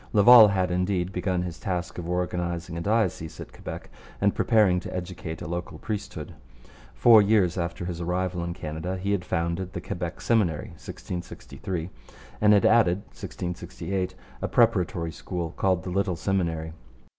Laval had, indeed, begun his task of organizing a diocese at Quebec and preparing to educate a local priesthood. Four years after his arrival in Canada he had founded the Quebec Seminary (1663) and had added (1668) a preparatory school, called the Little Seminary.